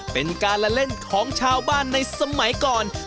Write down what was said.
เป็นการละเล่นของชาวบ้านในสมัยก่อน